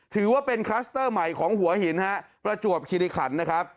ถือว่าเป็นคลัสเตอร์ใหม่ของหัวหินฮะประจวบคิริขันนะครับ